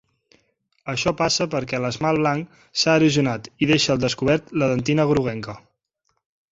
Això passa perquè l'esmalt blanc s'ha erosionat i deixa al descobert la dentina groguenca.